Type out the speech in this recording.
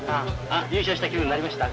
優勝した気分になりました？